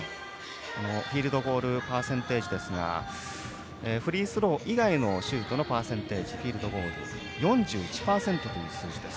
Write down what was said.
フィールドゴールパーセンテージですがフリースロー以外のシュートのパーセンテージフィールドゴール４１％という数字です。